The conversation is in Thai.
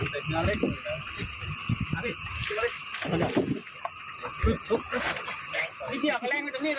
รับความรักมากหน่อยครับ